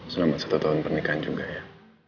selama satu tahun pernikahan juga ya